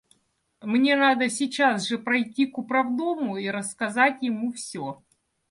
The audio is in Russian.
Мне надо сейчас же пройти к управдому и рассказать ему все.